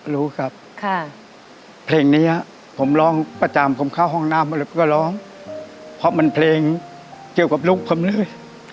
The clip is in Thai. รู้ครับผลิกนี้ผมประจำบร้องข้างห้องน้ำแล้วก็ร้องเพราะมันเพลงเกี่ยวกับลูกของมันเลย